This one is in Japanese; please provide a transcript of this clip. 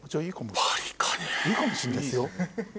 いいかもしれないですよ。